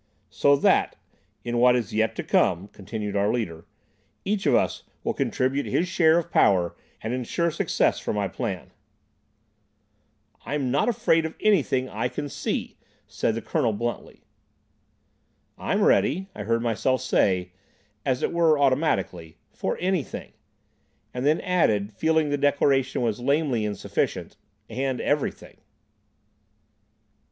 "So that, in what is yet to come," continued our leader, "each of us will contribute his share of power, and ensure success for my plan." "I'm not afraid of anything I can see," said the Colonel bluntly. "I'm ready," I heard myself say, as it were automatically, "for anything," and then added, feeling the declaration was lamely insufficient, "and everything."